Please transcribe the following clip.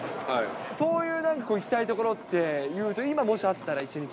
そういうなんか、行きたいところって、今もしあったら、１日。